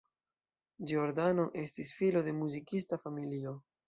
Giordano estis filo de muzikista familio.